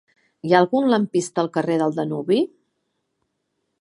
Hi ha algun lampista al carrer del Danubi?